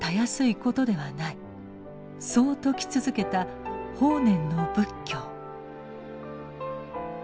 そう説き続けた法然の仏教。